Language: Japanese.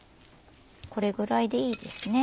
これぐらいでいいですね。